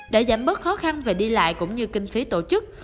đã giảm bớt khó khăn về đi lại cũng như kinh phí tổ chức